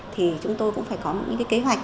thì chúng tôi cũng phải có những kế hoạch